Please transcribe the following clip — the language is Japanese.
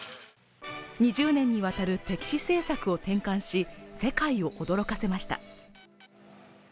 ２０年にわたる敵視政策を転換し世界を驚かせました